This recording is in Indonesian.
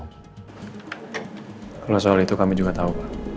kalau soal itu kami juga tahu pak